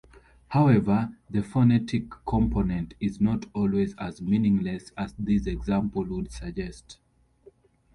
However, the phonetic component is not always as meaningless as this example would suggest.